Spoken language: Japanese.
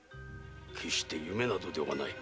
決して夢などではない。